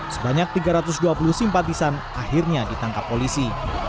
sebanyak tiga ratus dua puluh simpatisan akhirnya ditangkap polisi